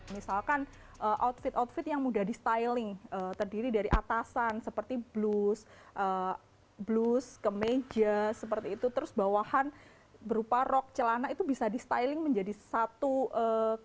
misalkan outfit outfit yang mudah di styling terdiri dari atasan seperti blus blus ke meja terus bawahan berupa rok celana itu bisa di styling menjadi satu kain